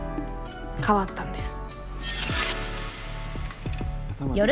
変わったんです。